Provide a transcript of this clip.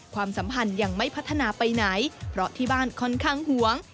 ความสัมพันธ์ยังไม่พัฒนาไปไหนเพราะที่บ้านค่อนข้างหวง